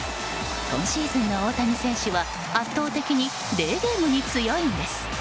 今シーズンの大谷選手は圧倒的にデーゲームに強いんです。